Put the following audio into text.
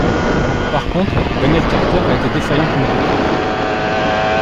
Par contre, Daniel Carter a été défaillant comme buteur.